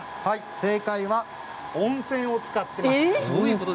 正解は温泉を使っています。